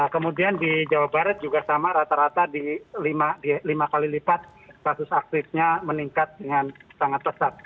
kemudian di jawa barat juga sama rata rata di lima kali lipat kasus aktifnya meningkat dengan sangat pesat